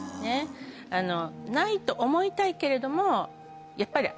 ないと思いたいけれども。